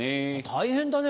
大変だね。